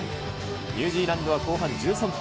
ニュージーランドは後半１３分。